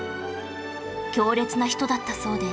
強烈な人だったそうで